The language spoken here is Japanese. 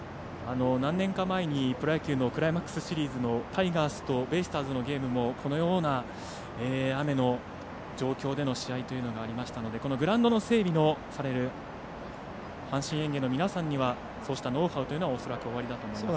何年か前にプロ野球のクライマックスシリーズのタイガースとベイスターズのゲームもこのような雨の状況での試合というのがありましたのでグラウンドの整備をされる阪神園芸の皆さんにはそうしたノウハウというのが恐らく、おありだと思います。